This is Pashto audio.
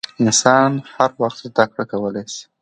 انسان هر وخت زدکړه کولای سي .